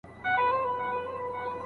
موږ باید په نړۍ کي د زغم کلتور عام کړو.